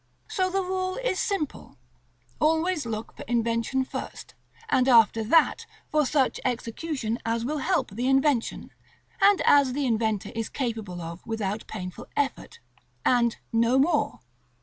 So the rule is simple: Always look for invention first, and after that, for such execution as will help the invention, and as the inventor is capable of without painful effort, and no more.